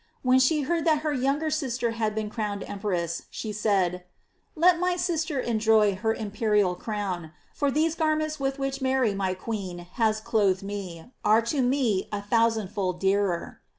When ghe heard that her younger sister had been crowned empress, she said: "Let my sister enjoy her imperial crown; for these garments with which Mary my queen has clothed me, are to me a thousand fold dearer."